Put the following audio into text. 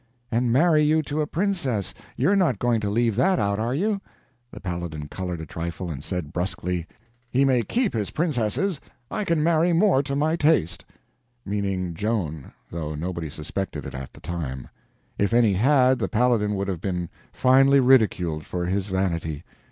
"And marry you to a princess—you're not going to leave that out, are you?" The Paladin colored a trifle, and said, brusquely: "He may keep his princesses—I can marry more to my taste." Meaning Joan, though nobody suspected it at that time. If any had, the Paladin would have been finely ridiculed for his vanity.